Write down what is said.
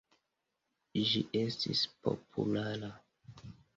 Ĝi estis populara.